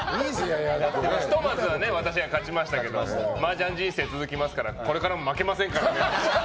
ひとまずは私が勝ちましたがマージャン人生続きますからこれからも負けませんからね！